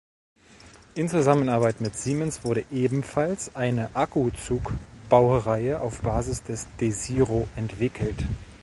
In Zusammenarbeit mit Siemens wurde ebenfalls eine Akkuzug-Baureihe auf Basis des Desiro entwickelt.